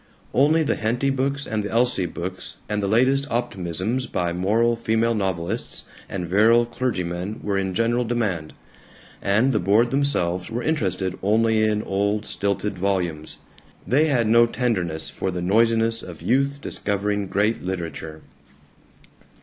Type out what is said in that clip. Only the Henty books and the Elsie books and the latest optimisms by moral female novelists and virile clergymen were in general demand, and the board themselves were interested only in old, stilted volumes. They had no tenderness for the noisiness of youth discovering great literature.